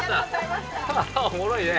おもろいね！